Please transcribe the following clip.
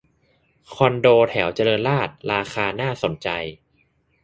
คอนโดแถวเจริญราษฎร์ราคาน่าสนใจ